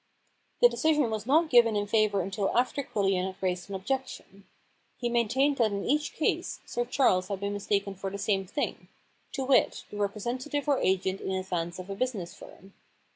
* The decision was not given in his favour until after Quillian had raised an objection. He maintained that in each case Sir Charles had been mistaken for the same thing — to wit, the representative or agent in advance of a business firm.